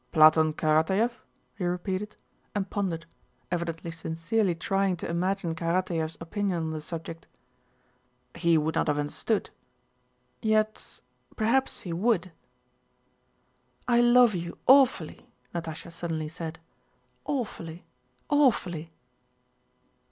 "Platón Karatáev?" he repeated, and pondered, evidently sincerely trying to imagine Karatáev's opinion on the subject. "He would not have understood... yet perhaps he would." "I love you awfully!" Natásha suddenly said. "Awfully, awfully!"